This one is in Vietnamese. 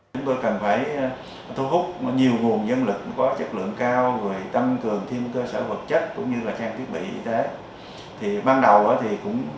chúng tôi cần phải thu hút nhiều nguồn dân lực có chất lượng cao tăng cường thêm cơ sở vật chất cũng như là trang thiết bị y tế